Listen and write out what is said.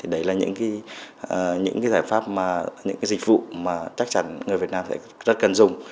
đấy là những giải pháp những dịch vụ mà chắc chắn người việt nam sẽ rất cần dùng